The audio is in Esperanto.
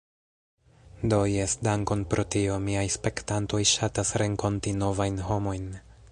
Do, jes dankon pro tio. Miaj spektantoj ŝatas renkonti novajn homojn